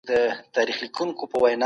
هغوی د راتلونکي په اړه فکر کوي.